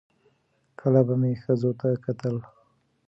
کله به مې ښځو ته کتل